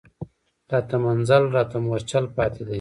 راته منزل راته مورچل پاتي دی